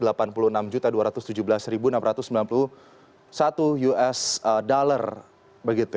memang menjadi sengketa wilayah antara negara sahabat